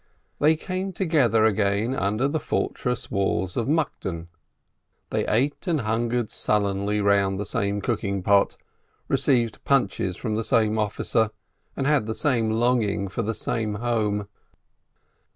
They came together again under the fortress walls of Mukden. They ate and hungered sullenly round the same cook ing pot, received punches from the same officer, and had the same longing for the same home.